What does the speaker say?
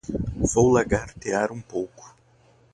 Vou lagartear um pouco